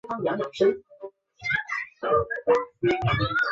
目前摩根敦市立机场只有飞往杜勒斯机场的航班。